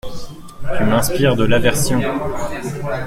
Tu m’inspires de l’aversion !